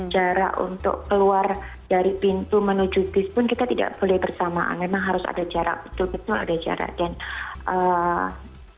jarak untuk keluar dari pintu menuju bis pun kita tidak boleh bersamaan memang harus ada jarak betul betul ada jarak dan eem apa namanya mohon maaf arab saudi itu memang disiplinnya dan saya baru kali ini melihat arab saudi berbeda dari wajah wajah sebelumnya